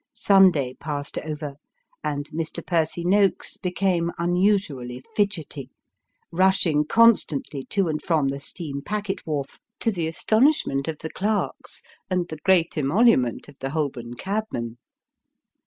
Sunday passed over, and Mr. Percy Noakes became unusually fidgety rushing, constantly, to and from the Steam Packet Wharf, to the astonishment of the clerks, and the great emolument of the Holborn cabmen.